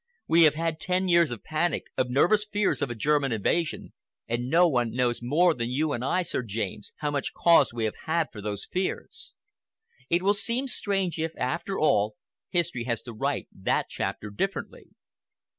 We have had ten years of panic, of nervous fears of a German invasion, and no one knows more than you and I, Sir James, how much cause we have had for those fears. It will seem strange if, after all, history has to write that chapter differently."